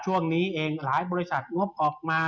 ช่วงนี้เองหลายบริษัทงบออกมา